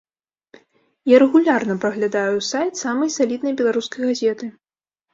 Я рэгулярна праглядаю сайт самай саліднай беларускай газеты.